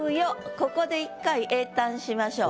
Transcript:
ここで一回詠嘆しましょう。